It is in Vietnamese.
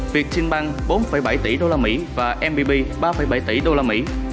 việt tinh băng bốn bảy tỷ đô la mỹ và mbb ba bảy tỷ đô la mỹ